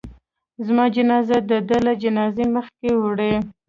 زما جنازه د ده له جنازې مخکې وړئ.